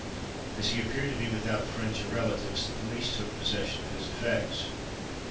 As he appeared to be without friends or relatives, the police took possession of his effects.